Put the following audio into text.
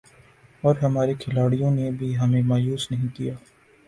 اور ہمارے کھلاڑیوں نے بھی ہمیں مایوس نہیں کیا